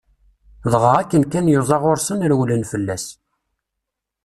Dɣa akken kan yuẓa ɣur-sen rewlen fell-as.